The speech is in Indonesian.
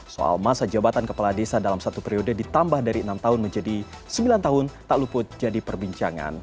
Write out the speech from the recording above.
soal masa jabatan kepala desa dalam satu periode ditambah dari enam tahun menjadi sembilan tahun tak luput jadi perbincangan